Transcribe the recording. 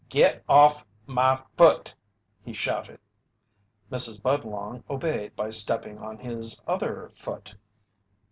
"Get off my foot!" he shouted. Mrs. Budlong obeyed by stepping on his other foot.